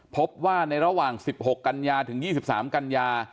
พบว่าในระหว่าง๑๖กันยาถึง๒๓กันยา